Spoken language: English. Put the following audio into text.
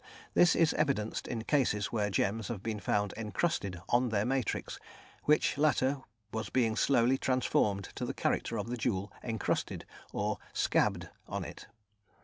This is evidenced in cases where gems have been found encrusted on their matrix, which latter was being slowly transformed to the character of the jewel encrusted, or "scabbed" on it.